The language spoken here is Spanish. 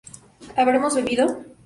¿habremos bebido?